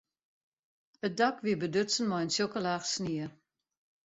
It dak wie bedutsen mei in tsjokke laach snie.